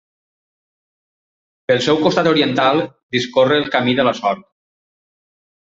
Pel seu costat oriental discorre el Camí de la Sort.